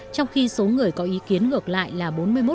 trong khi số người có ý kiến ngược lại là bốn mươi một